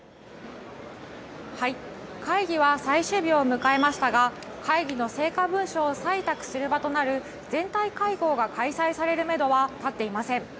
会議は最終日を迎えましたが会議の成果文書を採択する場となる全体会合が開催されるめどは立っていません。